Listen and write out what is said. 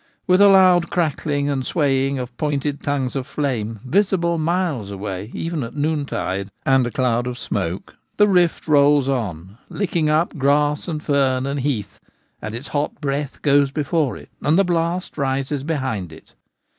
With a loud crackling and swaying of pointed tongues of flame visible miles away even at noontide, and a cloud of smoke, the rift 1 40 The Gamekeeper at Home. rolls on, licking up grass and fern and heath ; and its hot breath goes before it, and the blast rises behind it.